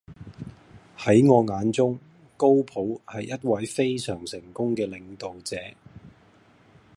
喺我眼中，高普係一位非常成功嘅領導者